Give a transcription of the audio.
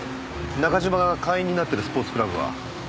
中嶋が会員になってるスポーツクラブは。